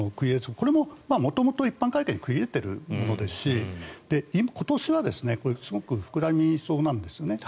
これも元々一般会計に繰り入れていますし今年度はすごく膨らみそうなんですね。